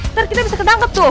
ntar kita bisa ketangkep tuh